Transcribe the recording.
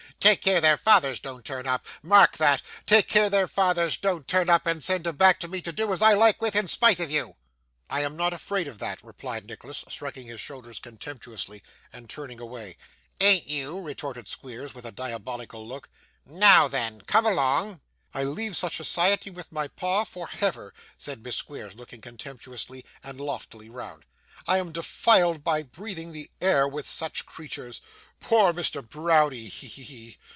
Take care their fathers don't turn up mark that take care their fathers don't turn up, and send 'em back to me to do as I like with, in spite of you.' 'I am not afraid of that,' replied Nicholas, shrugging his shoulders contemptuously, and turning away. 'Ain't you!' retorted Squeers, with a diabolical look. 'Now then, come along.' 'I leave such society, with my pa, for Hever,' said Miss Squeers, looking contemptuously and loftily round. 'I am defiled by breathing the air with such creatures. Poor Mr. Browdie! He! he! he!